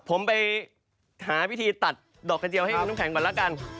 ผมไปหาวิธีตัดดอกกระเจียวให้น้ำแข็งก่อนแล้วกัน